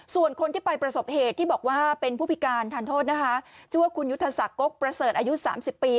ส่วนคนที่ไปประสบเหตุที่บอกว่าเป็นผู้พิการทานโทษนะคะชื่อว่าคุณยุทธศักดิ์กประเสริฐอายุสามสิบปี